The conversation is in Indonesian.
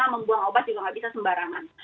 karena membuang obat juga enggak bisa sembarangan